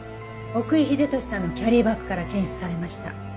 奥居秀俊さんのキャリーバッグから検出されました。